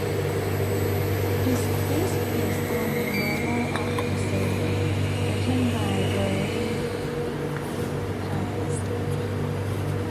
It is based on the novel of the same name, written by Barry Hines.